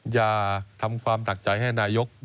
อย่าทำความทักใจให้นายกรัฐมนตรี